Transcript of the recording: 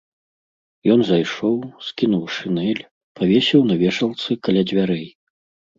Ён зайшоў, скінуў шынель, павесіў на вешалцы каля дзвярэй.